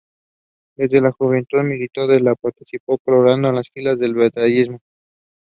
Ventrum black and covered with short pubescence.